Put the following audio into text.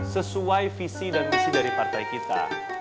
sesuai visi dan misi dari partai kita